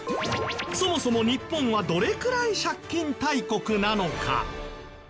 そもそも日本はどれくらい借金大国なのか？